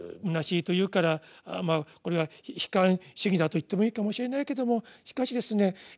空しいと言うからこれは悲観主義だと言ってもいいかもしれないけどもしかしですね